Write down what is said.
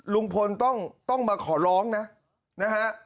ลุงพลต้องมาขอร้องนะนะฮะ